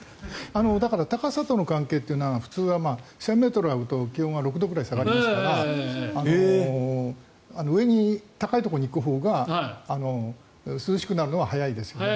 だから高さとの関係というのは普通は１０００ｍ上がると気温は６度くらい下がりますから上に、高いところに行くほうが涼しくなるのは早いですよね。